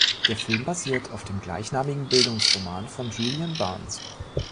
Der Film basiert auf dem gleichnamigen Bildungsroman von Julian Barnes.